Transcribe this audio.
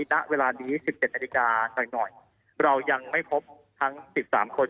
ณเวลานี้สิบเจ็ดนาฬิกาสักหน่อยเรายังไม่พบทั้งสิบสามคน